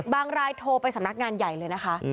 รายโทรไปสำนักงานใหญ่เลยนะคะ